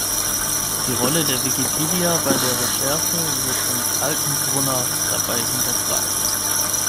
Die Rolle der Wikipedia bei der Recherche wird von Kaltenbrunner dabei hinterfragt.